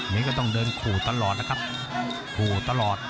นี่ก็ต้องเดินขู่ตลอดนะครับขู่ตลอด